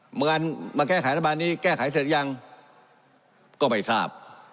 เหมือนมาแก้ไขรัฐบาลนี้แก้ไขเสร็จยังก็ไม่ทราบ